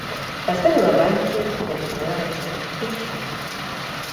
Паставіла банькі, напісала рэцэпт і ўсё.